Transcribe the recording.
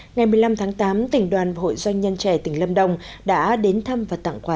ngày một mươi năm tháng tám tỉnh đoàn hội doanh nhân trẻ tỉnh lâm đồng đã đến thăm và tặng quà